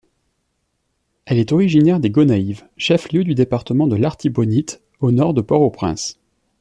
Elle est originaire des Gonaïves, chef-lieu du Département de l’Artibonite, au Nord de Port-au-Prince.